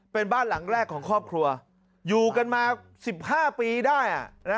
เป็นบ้านหลังแรกของครอบครัวอยู่กันมา๑๕ปีได้